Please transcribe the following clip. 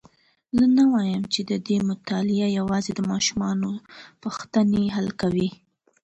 زه نه وایم چې ددې مطالعه یوازي د ماشومانو پوښتني حل کوي.